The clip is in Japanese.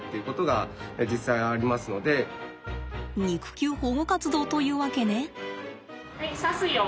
肉球保護活動というわけね。